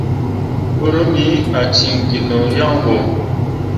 Forummi ah ciŋ gi no yaŋ ɓo.